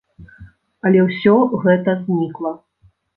Але ўсё гэта знікла.